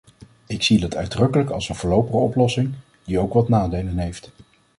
Ik zie dat uitdrukkelijk als een voorlopige oplossing, die ook wat nadelen heeft.